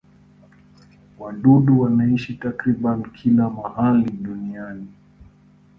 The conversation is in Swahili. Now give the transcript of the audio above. Wadudu wanaishi takriban kila mahali duniani.